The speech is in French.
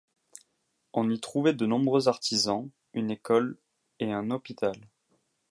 On y trouvait de nombreux artisans, une école et un hôpital.